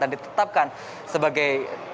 dan ditetapkan sebagai terhubungan